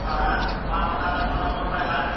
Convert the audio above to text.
اپغنه، او اپغانه په بڼه راغلې ده.